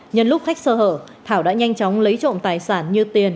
nhân lúc khách sơ hở thảo đã nhanh chóng lấy trộm tài sản như tiền